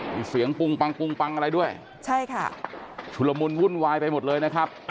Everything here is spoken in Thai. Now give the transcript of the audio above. มีเสียงปุ้งปังปุ้งปังอะไรด้วยใช่ค่ะชุดละมุนวุ่นวายไปหมดเลยนะครับ